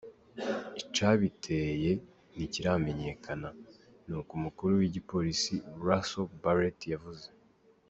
"Icabiteye ntikiramenyekana," niko umukuru w'igipolisi Russell Barrett yavuze.